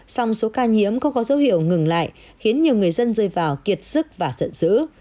xong số ca nhiễm không có dấu hiệu ngừng lại khiến nhiều người dân rơi vào kiệt sức và sợn sữ